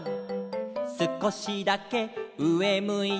「すこしだけうえむいて」